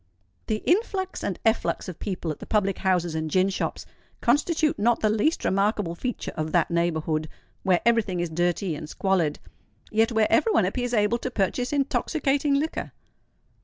The influx and efflux of people at the public houses and gin shops constitute not the least remarkable feature of that neighbourhood, where every thing is dirty and squalid, yet where every one appears able to purchase intoxicating liquor!